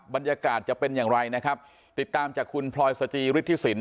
บรรยากาศจะเป็นอย่างไรนะครับติดตามจากคุณพลอยสจิฤทธิสิน